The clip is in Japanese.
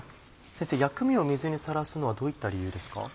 先生薬味を水にさらすのはどういった理由ですか？